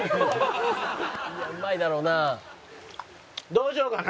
どうしようかな？